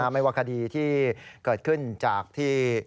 ไม่ว่าคดีที่เกิดขึ้นจากที่